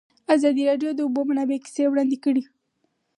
ازادي راډیو د د اوبو منابع کیسې وړاندې کړي.